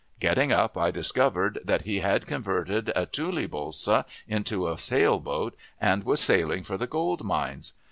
Getting up, I discovered that he had converted a tule bolsa into a sail boat, and was sailing for the gold mines.